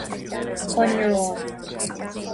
An Iaráin